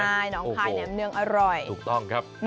ใช่หนองคลายแหน่มเนื้ออร่อย